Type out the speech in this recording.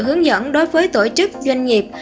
hướng dẫn đối với tổ chức doanh nghiệp